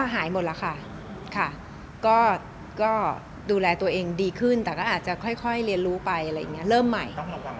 หายหมดแล้วค่ะก็ดูแลตัวเองดีขึ้นแต่ก็อาจจะค่อยเรียนรู้ไปอะไรอย่างนี้เริ่มใหม่